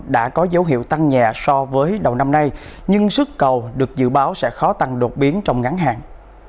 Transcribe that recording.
đã có dấu hiệu tăng nhẹ so với đầu năm nay nhưng sức cầu được dự báo sẽ khó tăng đột biến trong ngắn hạn